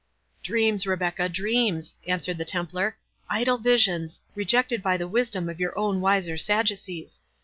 "Dreams, Rebecca,—dreams," answered the Templar; "idle visions, rejected by the wisdom of your own wiser Sadducees.